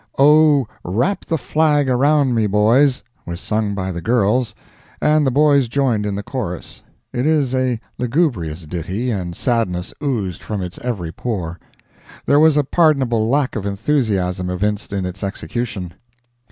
"Oh, Wrap the Flag Around Me, Boys," was sung by the girls, and the boys joined in the chorus. It is a lugubrious ditty, and sadness oozed from its every pore. There was a pardonable lack of enthusiasm evinced in its execution.